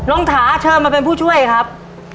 ถาเชิญมาเป็นผู้ช่วยครับ